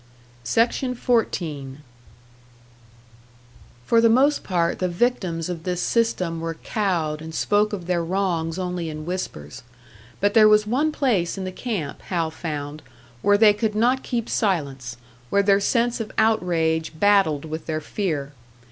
For the most part the victims of this system were cowed and spoke of their wrongs only in whispers; but there was one place in the camp, Hal found, where they could not keep silence, where their sense of outrage battled with their fear.